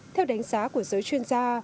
theo đánh giá của giới chuyên gia